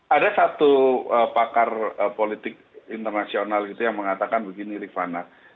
ada satu pakar politik internasional gitu yang mengatakan begini rifana